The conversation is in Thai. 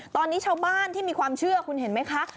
ตอนนี้ชาวบ้านที่มีความเชื่อคุณเห็นไหมคะ